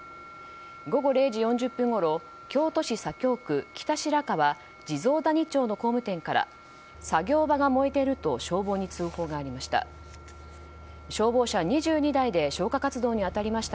午後０時４０分ごろ京都市左京区北白川地蔵谷町の工務店から作業場が燃えていると消防に通報がありました。